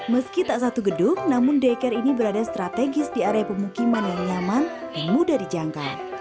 meski tak satu gedung namun deker ini berada strategis di area pemukiman yang nyaman dan mudah dijangkau